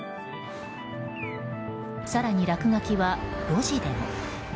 更に、落書きは路地でも。